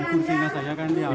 kursinya saya kan diambil